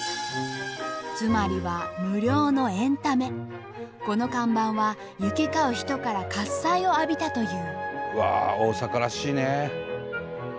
つまりはこの看板は行き交う人から喝采を浴びたという。